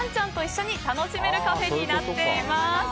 人工芝が敷かれていてワンちゃんと一緒に楽しめるカフェになっています。